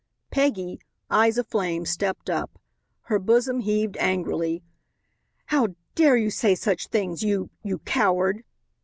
Peggy, eyes aflame, stepped up. Her bosom heaved angrily. "How dare you say such things? You you coward."